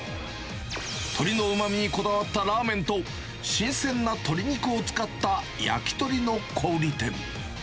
鶏のうまみにこだわったラーメンと、新鮮な鶏肉を使った焼き鳥の小売り店。